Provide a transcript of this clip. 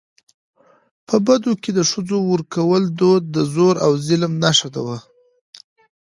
په بدو کي د ښځو ورکولو دود د زور او ظلم نښه وه .